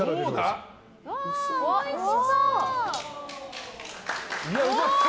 おいしそう！